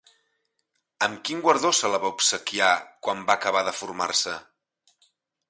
Amb quin guardó se la va obsequiar quan va acabar de formar-se?